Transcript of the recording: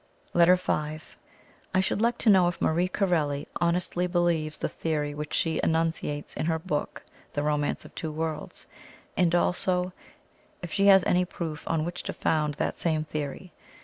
LETTER V. "I should like to know if Marie Corelli honestly believes the theory which she enunciates in her book, 'The Romance of Two Worlds:' and also if she has any proof on which to found that same theory?